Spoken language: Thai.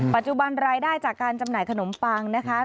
ปัจจุบันรายได้จากการจำหน่ายขนมปังนะคะ